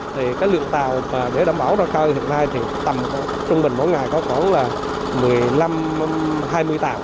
thì cái lượng tàu để đảm bảo ra khơi hiện nay thì tầm trung bình mỗi ngày có chỗ là một mươi năm hai mươi tàu